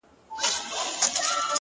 زه چي لـه چــــا سـره خبـري كـوم ـ